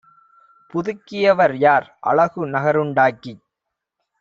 புதுக்கியவர் யார்? அழகு நகருண் டாக்கிச்